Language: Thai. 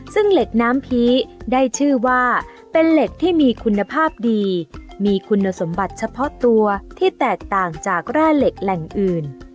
ซึ่งเหล็กน้ำผีได้ชื่อว่าเป็นเหล็กที่มีคุณภาพดีมีคุณสมบัติเฉพาะตัวที่แตกต่างจากแร่เหล็กแหล่งอื่น